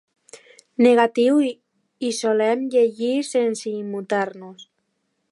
Negatiu, hi solem llegir sense immutar-nos.